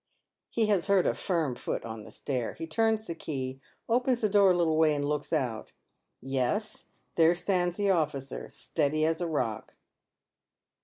He has heard a firm foot on the stair. He turns the key, opens the door a little way, and looks out. Yes, there stands the officer, steady as a rock.